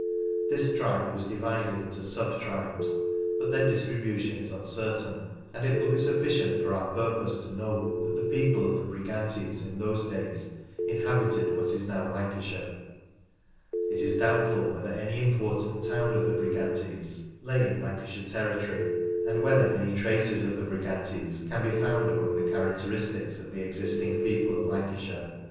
This tribe was divided into sub tribes, but their distribution is uncertain, and it will be sufficient for our purpose to know that the people of the Brigantes in those days inhabited what is now Lan cashire. It is doubtful whether any important town of the Brigantes lay in Lancashire territory, and whether any traces of the Brigantes can be found among the characteristics of the existing people of Lancashire.